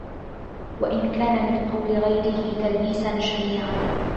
وَإِنْ كَانَ مِنْ قَوْلِ غَيْرِهِ تَلْبِيسًا شَنِيعًا